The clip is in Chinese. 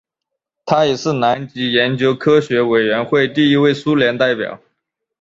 他也是南极研究科学委员会第一位苏联代表。